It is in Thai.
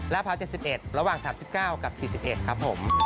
ล่าพร้าว๗๑บาทระหว่าง๓๙บาทกับ๔๑บาทครับ